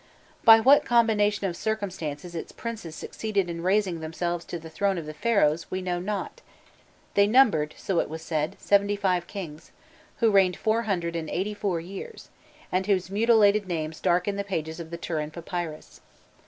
By what combination of circumstances its princes succeeded in raising themselves to the throne of the Pharaohs, we know not: they numbered, so it was said, seventy five kings, who reigned four hundred and eighty four years, and whose mutilated names darken the pages of the Turin Papyrus.